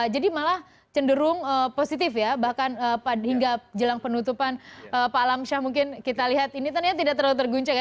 jadi malah cenderung positif ya bahkan hingga jelang penutupan pak alam syah mungkin kita lihat ini ternyata tidak terlalu terguncang ya